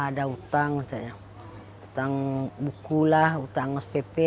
ada hutang hutang buku hutang sepepe